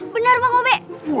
bener bang ube